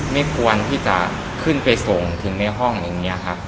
ไม่ควรที่จะขึ้นไปส่งถึงในห้องอย่างนี้ครับ